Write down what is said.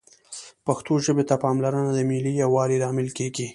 پښتو ژبې ته پاملرنه د ملي یووالي لامل کېږي